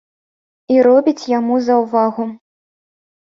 І робіць яму заўвагу.